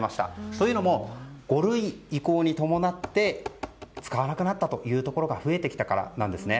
というのも５類移行に伴って使わなくなったというところが増えてきたからなんですね。